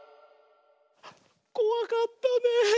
こわかったねえ。